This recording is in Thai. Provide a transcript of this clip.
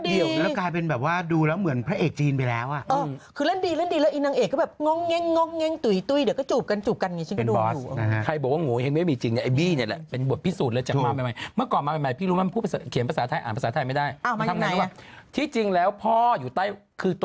โดยได้แรงประดานใจจากโครงสร้างศาสตร์สถาปัตยกรรมไทย